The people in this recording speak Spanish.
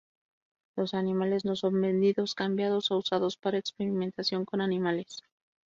Los animales no son vendidos, cambiados o usados para experimentación con animales.